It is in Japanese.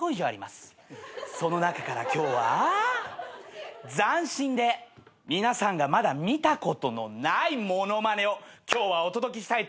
その中から今日は斬新で皆さんがまだ見たことのない物まねを今日はお届けしたいと思います。